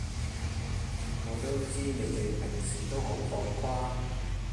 我都知你哋平時都好浮誇